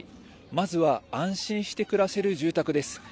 まずは安心して暮らせる住宅です。